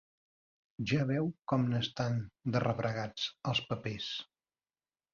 Ja veu com n'estan, de rebregats, els papers.